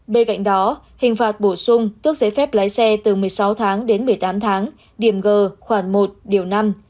bên cạnh đó hình phạt bổ sung tước giấy phép lái xe từ một mươi sáu tháng đến một mươi tám tháng điểm g khoảng một điều năm